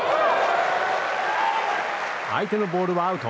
相手のボールはアウト。